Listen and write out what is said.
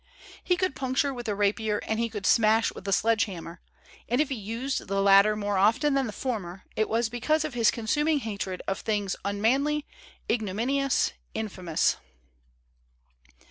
He could puncture with a rapier and he could smash with a sledge hammer; and if he used the latter more often than the former it was because of his consuming hatred of things " unmanly, ignominious, infamous."